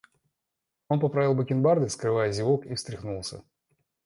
Он поправил бакенбарды, скрывая зевок, и встряхнулся.